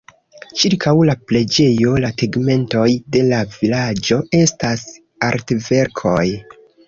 Ĉirkaŭ la preĝejo, la tegmentoj de la vilaĝo estas artverkoj.